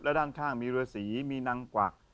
และด้านข้างมีเรือสีมีนางกวัก